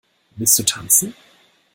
Willst du tanzen?